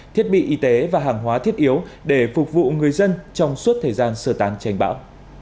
thiết bị y tế và hàng hóa thiết yếu để phục vụ người dân trong suốt thời gian sơ tán tranh bão